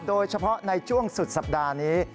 โดยเฉพาะในช่วงสุดสัปดาห์นี้